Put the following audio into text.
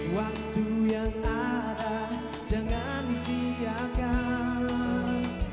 waktu yang ada jangan disiakan